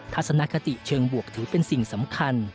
ทัศนคติเชิงบวกถือเป็นสิ่งสำคัญ